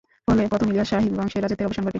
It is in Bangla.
ফলে প্রথম ইলিয়াস শাহী বংশের রাজত্বের অবসান ঘটে।